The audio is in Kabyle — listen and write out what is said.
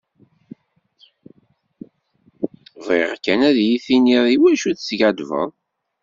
Bɣiɣ kan ad yi-d-tiniḍ iwacu teskaddbeḍ.